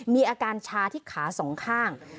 มีอาการชาที่ขาสองข้าง